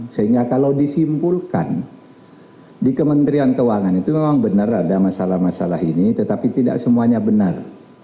sehingga kalau disimpulkan di kementerian keuangan itu memang benar ada masalah masalah ini tetapi tidak semuanya benar